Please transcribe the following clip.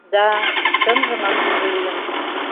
Да, чынжымак кугу лийын.